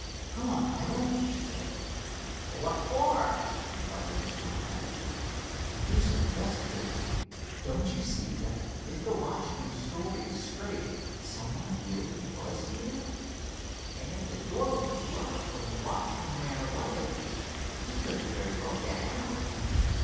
"Come on, Hiram," he said. "What for?" inquired his comrade. "To do some investigating. Don't you see that if the watchman's story is straight some one really was here?" "And if the door was locked when the watchman ran away he couldn't very well get out."